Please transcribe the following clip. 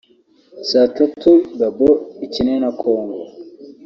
saa tatu Gabon ikine na Congo